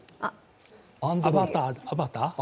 アバター？